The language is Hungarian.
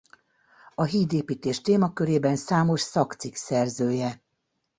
A hídépítés témakörében számos szakcikk szerzője.